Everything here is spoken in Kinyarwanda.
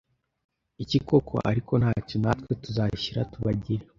iki koko? ariko ntacyo natwe tuzashyira tubagire”